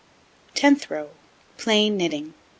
Tenth row: Plain knitting.